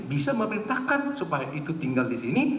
bisa memerintahkan supaya itu tinggal di sini